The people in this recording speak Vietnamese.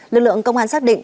lực lượng công an xác định